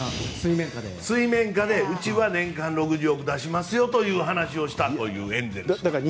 水面下でうちは年間６０億円出しますよという話をしたというエンゼルスが。